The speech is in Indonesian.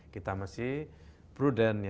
kita masih prudent ya